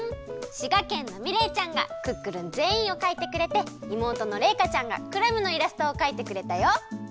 滋賀県のみれいちゃんがクックルンぜんいんをかいてくれて妹のれいかちゃんがクラムのイラストをかいてくれたよ。